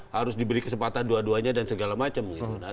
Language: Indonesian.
harus diberi kesempatan dua duanya dan segala macam